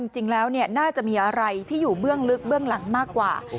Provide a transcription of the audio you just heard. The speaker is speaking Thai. จริงแล้วน่าจะมีอะไรที่อยู่เบื้องลึกเบื้องหลังมากกว่า